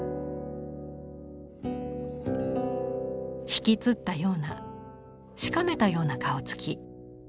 ひきつったようなしかめたような顔つき。